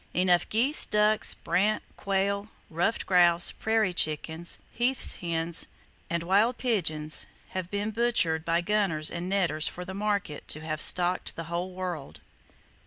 Enough geese, ducks, brant, quail, ruffed grouse, prairie chickens, heath hens and wild pigeons have been butchered by gunners and netters for "the market" to have stocked the whole world.